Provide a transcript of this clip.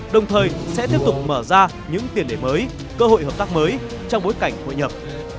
đồng thời sẽ tiếp tục mở ra những tiền đề mới cơ hội hợp tác mới trong bối cảnh hội nhập